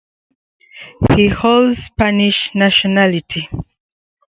He holds Spanish nationality.